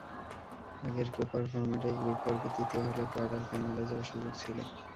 আগের কোপার ফরম্যাটে গ্রুপ পর্বে তৃতীয় হলেও কোয়ার্টার ফাইনালে যাওয়ার সুযোগ ছিল।